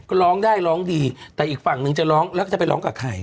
ก็ร้องได้ร้องดีแต่อีกฝั่งนึงจะร้องแล้วก็จะไปร้องกับใคร